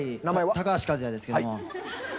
高橋和也ですけども。